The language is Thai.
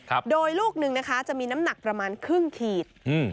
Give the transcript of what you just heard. ครับโดยลูกหนึ่งนะคะจะมีน้ำหนักประมาณครึ่งขีดอืม